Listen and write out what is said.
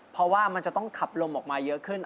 เพราะว่ามันจะต้องขับลมออกมาเยอะขึ้น